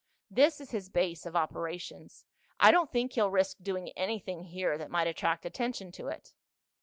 "This is his base of operations. I don't think he'll risk doing anything here that might attract attention to it."